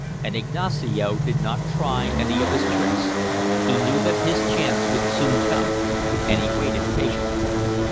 And Ignacio did not try any of his tricks; he knew that his chance would soon come, and he waited patiently.